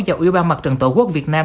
và ubnd tp hcm